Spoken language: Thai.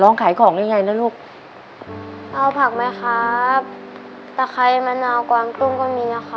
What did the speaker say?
ขายของได้ไงนะลูกเอาผักไหมครับตะไคร้มะนาวกวางตุ้งก็มีนะครับ